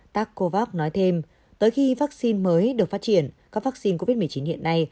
tacovax nói thêm tới khi vaccine mới được phát triển các vaccine covid một mươi chín hiện nay